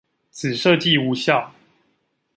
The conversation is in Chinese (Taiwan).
此設計無效